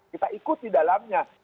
kita ikut di dalamnya